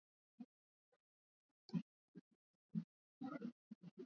Taarifa za kifo chake zimeshutua wengi wakati ambapo hajawahi kuzungumzia ugonjwa wake hadharani